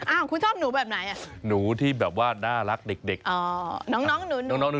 คุณชอบหนูแบบไหนอ่ะหนูที่แบบว่าน่ารักเด็กน้องหนู